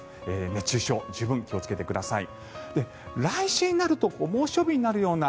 熱中症十分に気をつけてください。